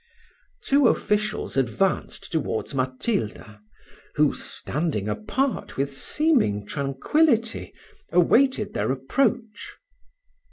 Two officials advanced towards Matilda, who, standing apart with seeming tranquillity, awaited their approach.